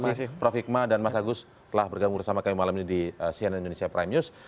terima kasih prof hikmah dan mas agus telah bergabung bersama kami malam ini di cnn indonesia prime news